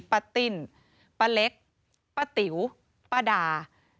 ป้าติ้นป้าเล็กป้าติ๋วป้าดา